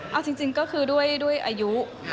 เอาจริงก็คือด้วยอายุ